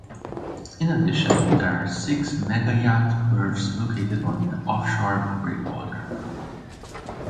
In addition, there are six mega-yacht berths located on the offshore breakwater.